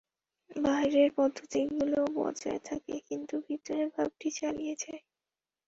বাহিরের পদ্ধতিগুলি বজায় থাকে, কিন্তু ভিতরের ভাবটি চলিয়া যায়।